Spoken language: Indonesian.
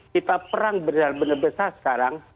kita perang benar benar besar sekarang